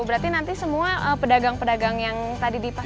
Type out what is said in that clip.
berarti nanti semua pedagang pedagang yang tadi di pasar